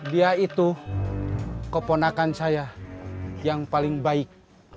dia itu keponakan saya yang paling baik